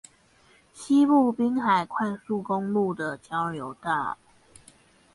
西部濱海快速公路的交流道